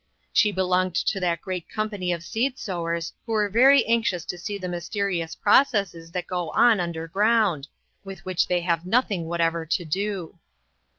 She belonged to that great company of seed sowers who are very anxious to see the mysterious processes that go on underground, with which they have nothing whatever to do.